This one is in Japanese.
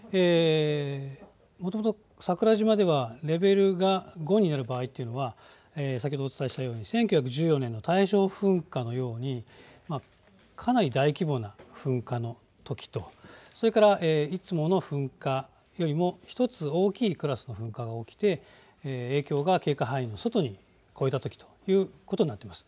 もともと桜島ではレベルが５になる場合というのは、先ほどお伝えしたように１９１４年の大正噴火のように、かなり大規模な噴火のときとそれからいつもの噴火よりも１つ大きいクラスの噴火が起きて影響が警戒範囲の外に超えたときということになっています。